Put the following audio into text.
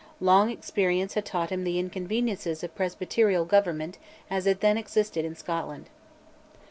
Long experience had taught him the inconveniences of presbyterial government as it then existed in Scotland.